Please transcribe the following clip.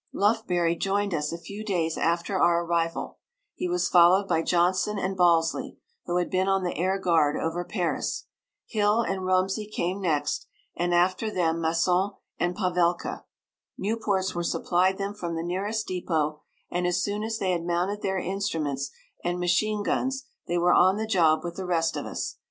Lufbery joined us a few days after our arrival. He was followed by Johnson and Balsley, who had been on the air guard over Paris. Hill and Rumsey came next, and after them Masson and Pavelka. Nieuports were supplied them from the nearest depot, and as soon as they had mounted their instruments and machine guns, they were on the job with the rest of us.